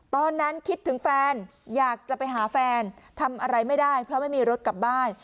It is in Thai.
ตอนนั้นคิดถึงแฟนอยากจะไปหาแฟนทำอะไรไม่ได้เพราะไม่มีรถกลับบ้าน